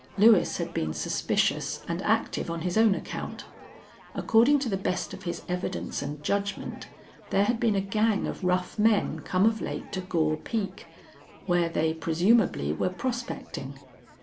Lewis had been suspicious, and active on his own account. According to the best of his evidence and judgment there had been a gang of rough men come of late to Gore Peak, where they presumably were prospecting.